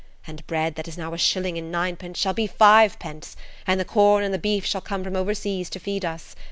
And bread that is now a shilling and ninepence shall be five pence, and the corn and the beef shall come from overseas to feed us.